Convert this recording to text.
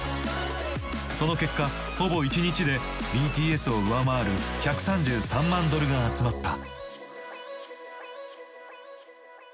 その結果ほぼ１日でＢＴＳを上回る１３３万ドルが集まった。